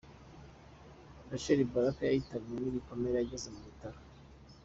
Rachel Baraka yahitanywe n’ibikomere ageze mu bitaro.